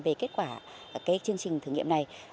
về kết quả chương trình thử nghiệm này